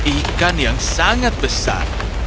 ikan yang sangat besar